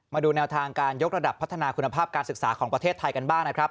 มาดูแนวทางการยกระดับพัฒนาคุณภาพการศึกษาของประเทศไทยกันบ้างนะครับ